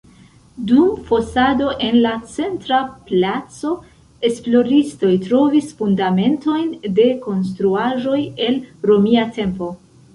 Dum fosado en la centra placo, esploristoj trovis fundamentojn de konstruaĵoj el Romia tempo.